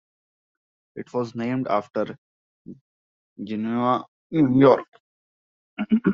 It was named after Genoa, New York.